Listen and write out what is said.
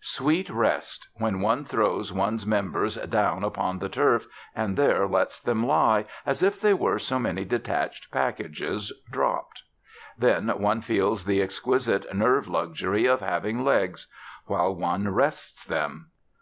Sweet rest! when one throws one's members down upon the turf and there lets them lie, as if they were so many detached packages dropped. Then one feels the exquisite nerve luxury of having legs: while one rests them.